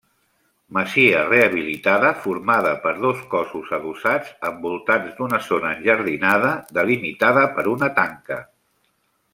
Masia rehabilitada formada per dos cossos adossats, envoltats d'una zona enjardinada delimitada per una tanca.